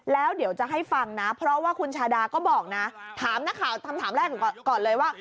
แล้วเดี๋ยวจะให้ฟังนะเพราะว่าคุณชาดาก็บอกนะถามนักข่าวคำถามแรกก่อนเลยว่า